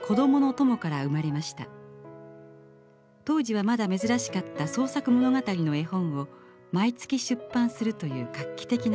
当時はまだ珍しかった創作物語の絵本を毎月出版するという画期的な試み。